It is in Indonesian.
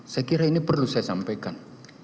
saya kira ini perlu saya sampaikan